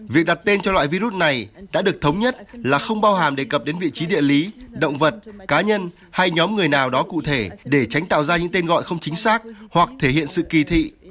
việc đặt tên cho loại virus này đã được thống nhất là không bao hàm đề cập đến vị trí địa lý động vật cá nhân hay nhóm người nào đó cụ thể để tránh tạo ra những tên gọi không chính xác hoặc thể hiện sự kỳ thị